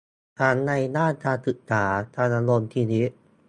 ทั้งในด้านการศึกษา การดำรงชีวิต